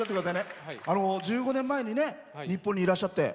１５年前に日本にいらっしゃって。